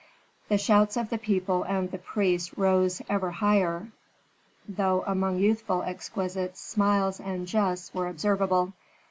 The shouts of the people and of the priests rose ever higher, though among youthful exquisites smiles and jests were observable.